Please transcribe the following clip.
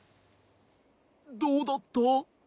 どうだった？